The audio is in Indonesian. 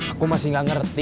aku masih gak ngerti